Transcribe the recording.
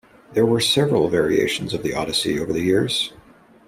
There were several variations of the Odyssey over the years.